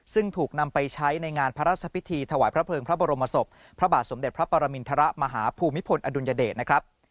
ซึ่งถูกนำไปใช้ในงานพระราชพิธีถวายพระเภิงพระบรมศพพระบาทสมเด็จพระปรมินทรมาฮภูมิพลอดุลยเดชนะครับ